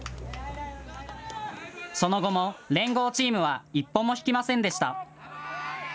その後も連合チームは一歩も引きませんでした。